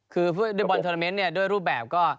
คือในบอลเทอร์เทอร์เมนต์ด้วยรูปแบบก็